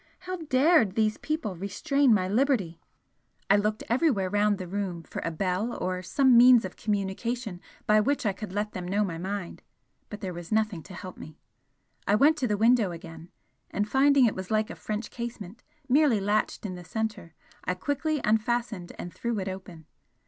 How dared these people restrain my liberty? I looked everywhere round the room for a bell or some means of communication by which I could let them know my mind but there was nothing to help me. I went to the window again, and finding it was like a French casement, merely latched in the centre, I quickly unfastened and threw it open.